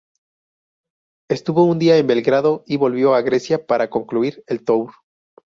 Estuvo un día en Belgrado y volvió a Grecia para concluir el tour.